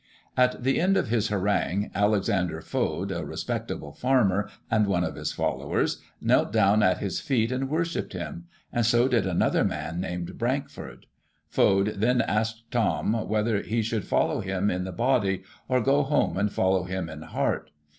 At the end of his harangue, Alexander Foad, a respectable farmer, and one of his followers, knelt down at his feet and worshipped him; and so did another man named Brankford. Foad then asked Thom whether he should follow him in the body, or go home and follow him in heart.